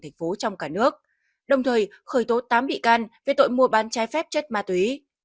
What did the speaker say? thành phố trong cả nước đồng thời khởi tố tám bị can về tội mua bán trái phép chất ma túy